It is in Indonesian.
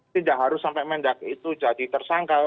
tidak harus sampai mendak itu jadi tersangka